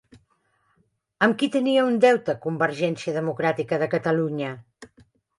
Amb qui tenia un deute Convergència Democràtica de Catalunya?